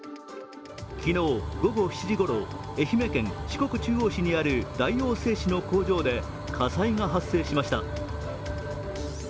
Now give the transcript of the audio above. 昨日午後７時ごろ、愛媛県四国中央市にある大王製紙の工場で火災が発生しました。